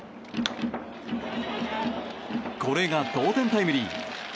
これが同点タイムリー。